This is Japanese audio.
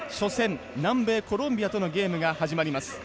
これから男子初戦南米コロンビアとのゲームが始まります。